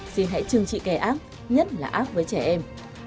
xin hãy trừng trị kè ác nhất là ác với trẻ em